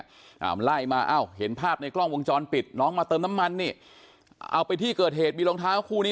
อ่าไล่มาอ้าวเห็นภาพในกล้องวงจรปิดน้องมาเติมน้ำมันนี่เอาไปที่เกิดเหตุมีรองเท้าคู่นี้